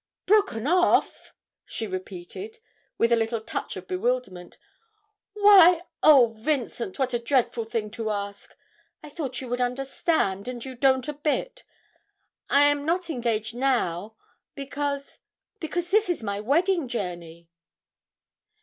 'Broken off!' she repeated, with a little touch of bewilderment. 'Why oh, Vincent, what a dreadful thing to ask! I thought you would understand, and you don't a bit. I am not engaged now, because because this is my wedding journey!'